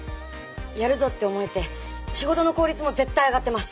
やるぞって思えて仕事の効率も絶対上がってます。